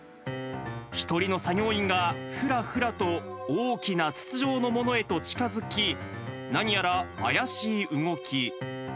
１人の作業員がふらふらと大きな筒状のものへと近づき、何やら怪しい動き。